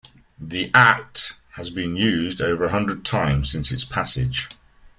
The Act has been used over a hundred times since its passage.